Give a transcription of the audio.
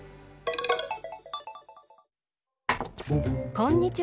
こんにちは。